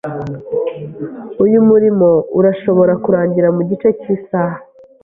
Uyu murimo urashobora kurangira mugice cyisaha.